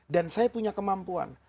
dan saya punya kemampuan